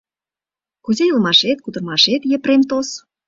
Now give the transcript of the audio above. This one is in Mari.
— Кузе илымашет, кутырымашет, Епрем тос?